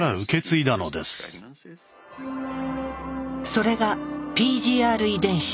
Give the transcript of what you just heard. それがＰＧＲ遺伝子。